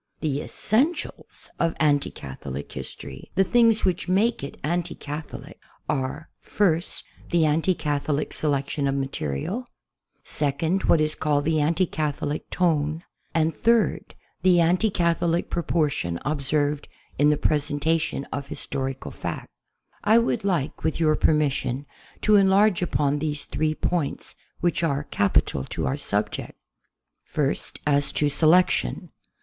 The essentials of anti Catholic history, the things which make it all anti Catholic, are, first, the anti Catholic se lection of material; second, what is called the anti Catholic tone ; and third, the anti Catholic proportion ob served in the presentation of historical fact. 1 would like, with your permission, to enlarge upon these three points which are capital to our subject. First, as to selection.